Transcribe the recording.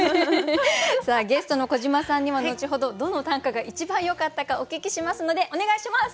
さあゲストの小島さんにも後ほどどの短歌が一番よかったかお聞きしますのでお願いします！